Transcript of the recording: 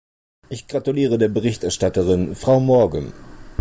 Ich gratuliere der Berichterstatterin, Frau Morgan.